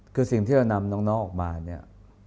คือสิ่งที่เรานำน้องออกมาเนี่ย